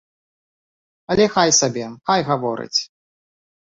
Але хай сабе, хай гаворыць.